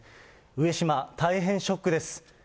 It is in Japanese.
上島、大変ショックです。